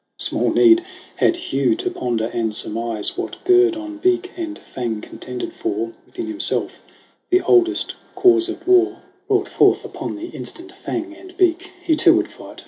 Small need had Hugh to ponder and surmise What guerdon beak and fang contended for. Within himself the oldest cause of war THE CRAWL 69 Brought forth upon the instant fang and beak. He too would fight